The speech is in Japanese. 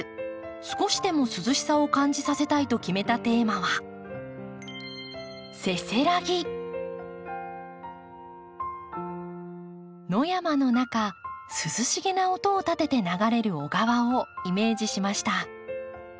少しでも涼しさを感じさせたいと決めたテーマは野山の中涼しげな音を立てて流れる小川をイメージしました。